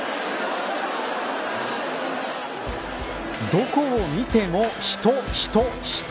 どこを見ても人、人、人。